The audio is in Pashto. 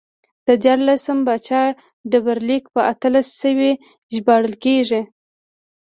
د دیارلسم پاچا ډبرلیک په اتلس سوی ژباړل کېږي